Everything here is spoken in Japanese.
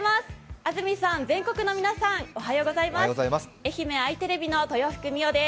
安住さん、全国の皆さん、おはようございます。